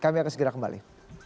kami akan segera kembali